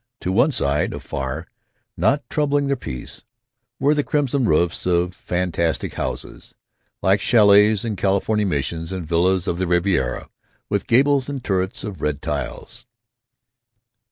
To one side—afar, not troubling their peace—were the crimson roofs of fantastic houses, like chalets and California missions and villas of the Riviera, with gables and turrets of red tiles.